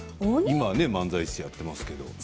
今は漫才師やってますけど。